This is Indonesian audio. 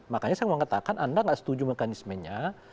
makanya saya mau katakan anda nggak setuju mekanismenya